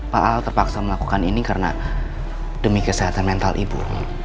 pak al terpaksa melakukan ini karena demi kesehatan mental ibu